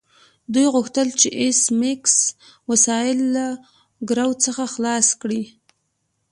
دوی غوښتل چې د ایس میکس وسایل له ګرو څخه خلاص کړي